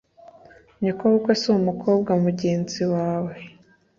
nyokobukwe si umukobwa mugenzi wawe